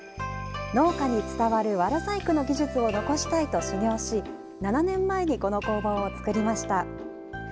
農家に伝わるわら細工の技術を残したいと修業し７年前に、この工房を作りました。